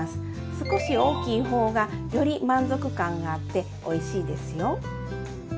少し大きい方がより満足感があっておいしいですよ。